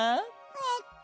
えっと。